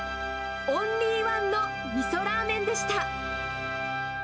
オンリーワンのみそラーメンでした。